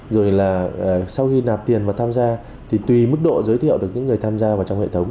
rồi là sau khi nạp tiền và tham gia thì tùy mức độ giới thiệu được những người tham gia vào trong hệ thống